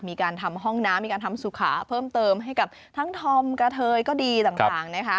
มีการทำห้องน้ำมีการทำสุขาเพิ่มเติมให้กับทั้งธอมกระเทยก็ดีต่างนะคะ